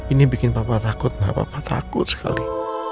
ini bikin papa takut papa takut sekali